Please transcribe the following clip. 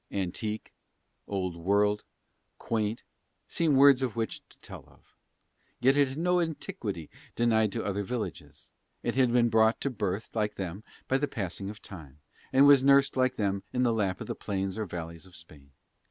"Antique," "old world," "quaint," seem words with which to tell of it. Yet it had no antiquity denied to the other villages; it had been brought to birth like them by the passing of time, and was nursed like them in the lap of plains or valleys of Spain.